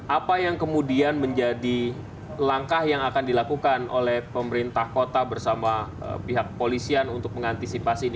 apa yang kemudian menjadi langkah yang akan dilakukan oleh pemerintah kota bersama pihak polisian untuk mengantisipasi ini